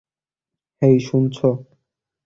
হেই, শুনছো?